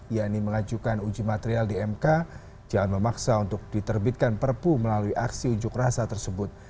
yakni mengajukan uji material di mk jangan memaksa untuk diterbitkan perpu melalui aksi unjuk rasa tersebut